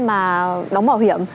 mà đóng bảo hiểm